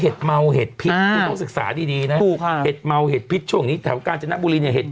หูใช่ครับ